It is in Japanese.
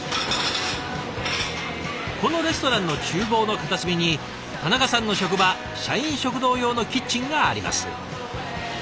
このレストランのちゅう房の片隅に田中さんの職場社員食堂用のキッチンがあります。